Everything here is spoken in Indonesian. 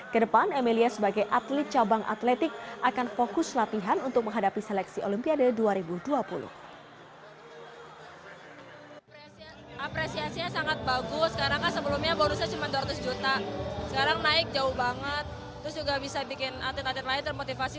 kedepan emilia sebagai atlet cabang atletik akan fokus latihan untuk menghadapi seleksi olimpiade dua ribu dua puluh